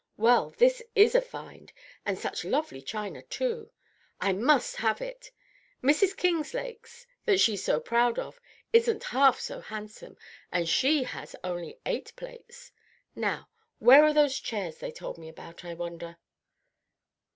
Well, this is a find; and such lovely china, too, I must have it. Mrs. Kinglake's, that she's so proud of isn't half so handsome; and she has only eight plates. Now, where are those chairs that they told me about, I wonder?"